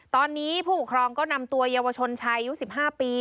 ตอนนี้ผู้ปกครองก็นำตัวเยาวชนชายอายุ๑๕ปี